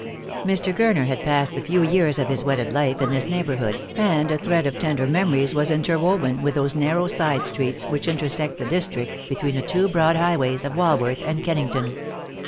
Mr. Gurner had passed the few years of his wedded life in this neighbourhood, and a thread of tender memories was interwoven with those narrow side streets which intersect the district between the two broad highways of Walworth and Kennington.